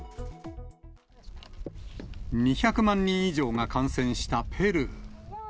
２００万人以上が感染したペルー。